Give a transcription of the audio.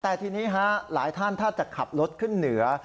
แต่ทีนี้หลายท่านถ้าจะขับรถขึ้นเหนือ